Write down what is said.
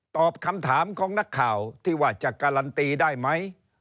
ตอบคำถามของนักข่าวที่ว่าจะการันตีได้ไหม